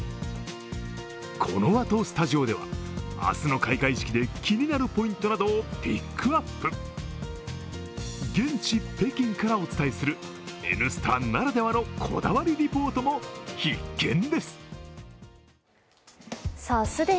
このあと、スタジオでは明日の開会式で気になるポイントなどをピックアップ現地・北京からお伝えする「Ｎスタ」ならではのこだわりリポートも必見です。